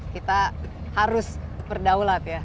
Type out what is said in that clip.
kita harus berdaulat ya